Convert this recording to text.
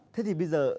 thế thì bây giờ